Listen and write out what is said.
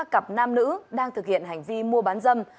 ba cặp nam nữ đang thực hiện hành vi mua bán dâm